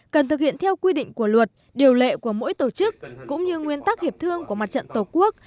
cần thực hiện theo quy định của luật điều lệ của mỗi tổ chức cũng như nguyên tắc hiệp thương của mặt trận tổ quốc